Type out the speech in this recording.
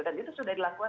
dan itu sudah dilakukan